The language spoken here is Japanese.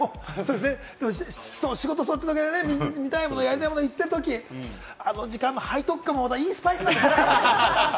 仕事そっちのけで見たいもの、やりたいものを言ってるとき、その時間の背徳感もまた、いいんですよね。